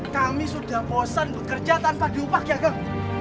kami sudah bosan bekerja tanpa diupah gagang